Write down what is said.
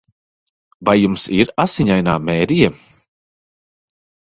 Vai jums ir Asiņainā Mērija?